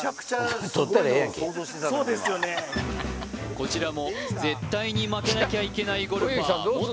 こちらも絶対に負けなきゃいけないゴルファーモト